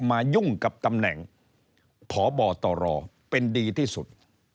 ยุ่งกับตำแหน่งพบตรเป็นดีที่สุด